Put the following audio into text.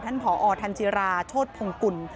ท่านผอทันเจราโชธพงกุล